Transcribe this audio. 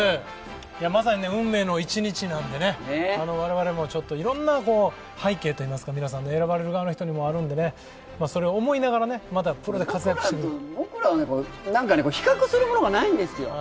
まさに運命の一日なんでね、我々もいろんな背景といいますか、皆さん、選ばれる側の皆さんにもあるんでねそれを思いながら、プロで活躍何か比較するものがないんですよ。